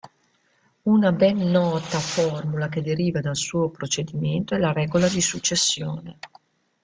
Una ben nota formula che deriva dal suo procedimento è la regola di successione.